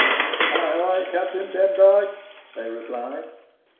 "Ay, ay, Captain Demdike," they replied.